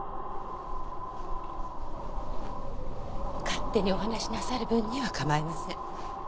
勝手にお話しなさる分には構いません。